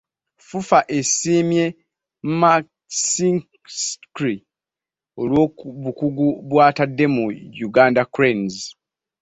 FUFA esiimye McKinstry olw'obukugu bw'atadde mu Uganda Cranes.